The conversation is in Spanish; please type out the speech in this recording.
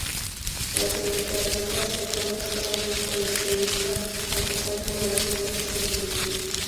Tras el guitarrista se encuentra todo un coleccionista, al poseer numerosos coches antiguos.